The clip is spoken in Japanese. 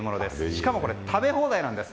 しかもこれ食べ放題なんです。